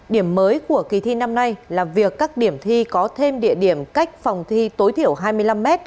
điểm mới của kỳ thi năm nay là việc các điểm thi có thêm địa điểm cách phòng thi tối thiểu hai mươi năm m